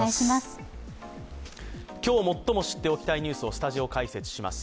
今日最も知っておきたいニュースをスタジオ解説します。